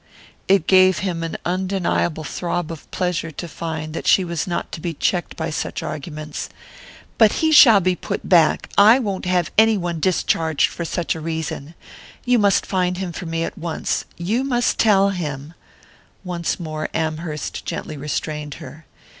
It gave him an undeniable throb of pleasure to find that she was not to be checked by such arguments. "But he shall be put back I won't have any one discharged for such a reason! You must find him for me at once you must tell him " Once more Amherst gently restrained her.